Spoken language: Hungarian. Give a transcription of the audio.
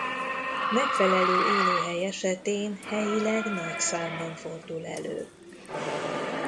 Megfelelő élőhely esetén helyileg nagy számban fordul elő.